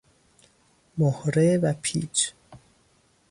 مهره و پیچ